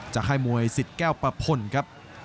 จากไข่มวยสิดแก้วปะพลครับ